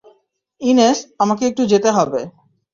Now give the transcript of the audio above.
ইনেস, আমাকে একটু যেতে হবে।